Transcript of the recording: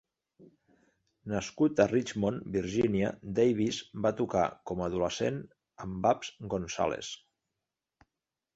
Nascut a Richmond, Virgínia, Davis va tocar com a adolescent amb Babs Gonzales.